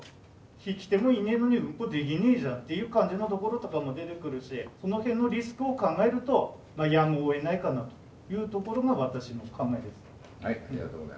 引き手もいねえのに運行できねえじゃんという感じのところとかも出てくるしその辺のリスクを考えるとやむをえないかなというところが私の考えです。